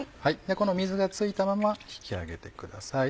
この水がついたまま引き上げてください。